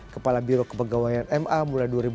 kepala biro kepenggawaian ma mulai dua ribu tiga